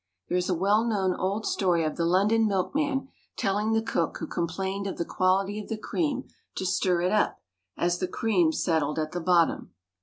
There is a well known old story of the London milkman telling the cook who complained of the quality of the cream to stir it up, as the cream settled at the bottom.